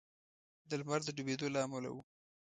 د لمر د ډبېدو له امله و.